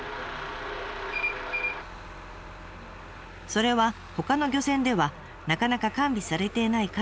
それはほかの漁船ではなかなか完備されていない数の電子機器。